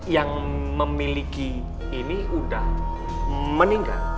yang memiliki ini sudah meninggal